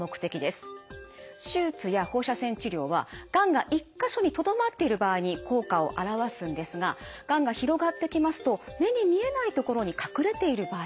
手術や放射線治療はがんが１か所にとどまっている場合に効果を現すんですががんが広がってきますと目に見えない所に隠れている場合があります。